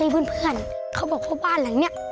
เฮ่ยเพื่อนเขาบอกพ่อบ้านแหละนี่